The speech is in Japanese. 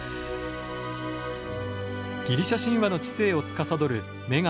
ギリシャ神話の知性をつかさどる女神